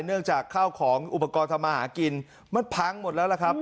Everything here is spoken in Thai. เนื่องจากข้าวของอุปกรณ์ทำมาหากินมันพังหมดแล้วล่ะครับ